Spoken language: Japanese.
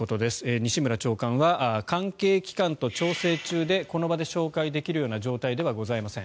西村長官は関係機関と調整中でこの場で紹介できるような状態ではございません。